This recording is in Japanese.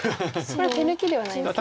これは手抜きではないんですね。